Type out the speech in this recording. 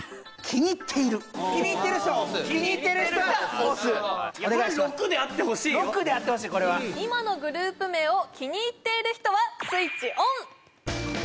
気に入ってる人が押す６であってほしいこれは今のグループ名を気に入っている人はスイッチオン！